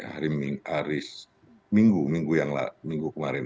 hari aris minggu minggu kemarin